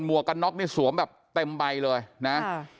วกกันน็อกนี่สวมแบบเต็มใบเลยนะ